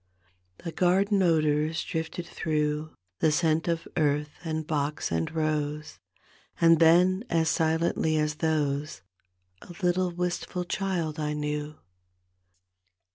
The garden odors drifted through. The scent of earth and box and rose, And then, as silently as those, A little wistful child I knew.